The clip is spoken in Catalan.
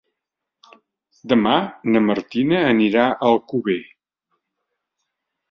Demà na Martina anirà a Alcover.